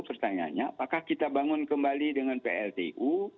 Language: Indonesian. pertanyaannya apakah kita bangun kembali dengan pltu